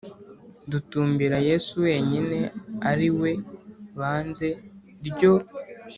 dutumbira Yesu wenyine ari we Banze ryo